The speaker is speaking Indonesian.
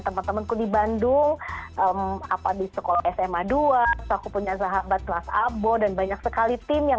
teman temanku di bandung apa di sekolah sma dua aku punya sahabat kelas abo dan banyak sekali tim yang